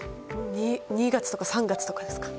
２月とか３月とかですか？